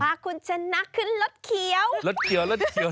ความคุ้มของคุณจะนับขึ้นรถเขียว